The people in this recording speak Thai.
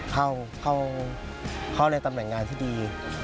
เข้าในตำแหน่งงานที่ดี